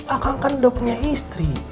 akang kan udah punya istri